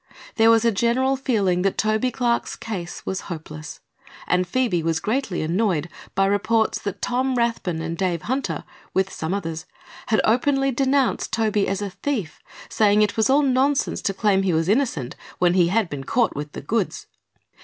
There was a general feeling that Toby Clark's case was hopeless and Phoebe was greatly annoyed by reports that Tom Rathbun and Dave Hunter, with some others, had openly denounced Toby as a thief, saying it was all nonsense to claim he was innocent when he had been "caught with the goods."